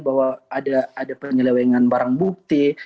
bahwa ada penyelewengan barang bukti